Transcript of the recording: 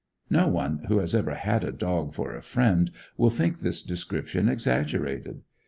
No one who has ever had a dog for a friend will think this description exaggerated.